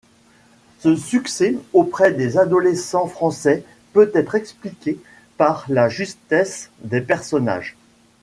Ce succès auprès des adolescents français peut être expliqué par la justesse des personnages.